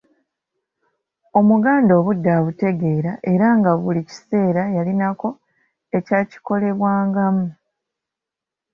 Omuganda obudde abutegeera era nga buli kiseera yalinako ekyakikolebwangamu.